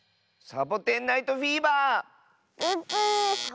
「サボテン・ナイト・フィーバー」は。